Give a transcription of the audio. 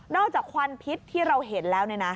ควันพิษที่เราเห็นแล้ว